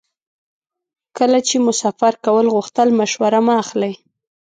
کله چې مو سفر کول غوښتل مشوره مه اخلئ.